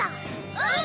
うん！